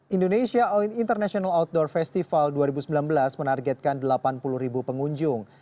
indonesia oil international outdoor festival dua ribu sembilan belas menargetkan delapan puluh ribu pengunjung